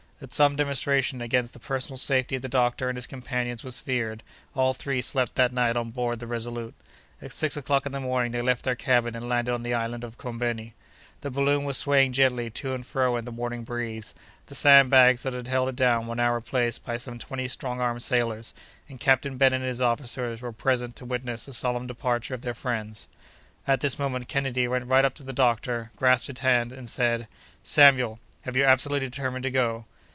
As some demonstration against the personal safety of the doctor and his companions was feared, all three slept that night on board the Resolute. At six o'clock in the morning they left their cabin, and landed on the island of Koumbeni. The balloon was swaying gently to and fro in the morning breeze; the sand bags that had held it down were now replaced by some twenty strong armed sailors, and Captain Bennet and his officers were present to witness the solemn departure of their friends. At this moment Kennedy went right up to the doctor, grasped his hand, and said: "Samuel, have you absolutely determined to go?"